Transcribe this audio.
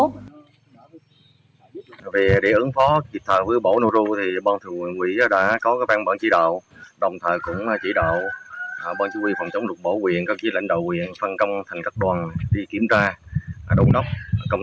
tích cực triển khai phương án ứng phó thiên tai của từng địa phương